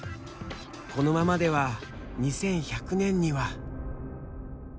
このままでは２１００年には。